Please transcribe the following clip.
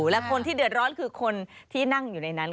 และคนที่เดือดร้อนคือคนที่นั่งอยู่ในนั้น